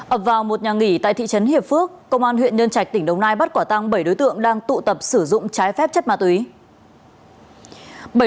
ập vào một nhà nghỉ tại thị trấn hiệp phước công an huyện nhân trạch tỉnh đồng nai bắt quả tăng bảy đối tượng đang tụ tập sử dụng trái phép chất ma túy